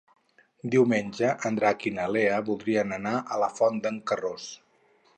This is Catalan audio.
Diumenge en Drac i na Lea voldrien anar a la Font d'en Carròs.